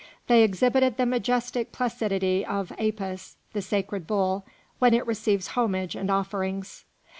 They exhibited the majestic placidity of Apis, the sacred bull, when it receives homage and offerings.